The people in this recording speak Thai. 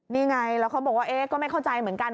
นี่ไงแล้วเขาบอกว่าก็ไม่เข้าใจเหมือนกัน